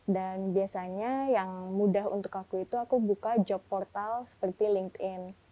dan biasanya yang mudah untuk aku itu aku buka job portal seperti linkedin